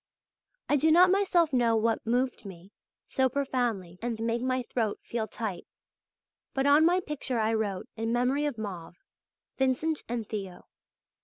I do not myself know what moved me so profoundly and made my throat feel tight, but on my picture I wrote: "In memory of Mauve. Vincent and Theo."